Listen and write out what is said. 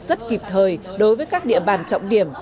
rất kịp thời đối với các địa bàn trọng điểm